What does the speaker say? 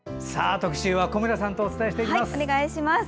特集は小村さんとお伝えしていきます。